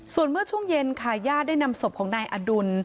ส่วนเมื่อช่วงเย็นค่ะญาติได้นำศพของนายอดุล